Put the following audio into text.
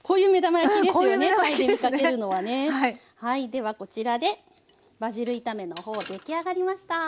ではこちらでバジル炒めの方出来上がりました！